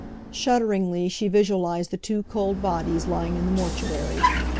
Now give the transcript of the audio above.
Shudderingly, she visualised the two cold bodies lying in the mortuary.